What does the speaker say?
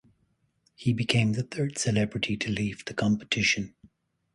He became the third celebrity to leave the competition.